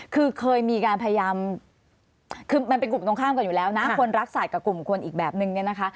คือเคยมีการพยายามคือมันเป็นกลุ่มตรงข้ามกันอยู่แล้วนะคนรักสัตว์กับกลุ่มคนอีกแบบนึงเนี่ยนะคะ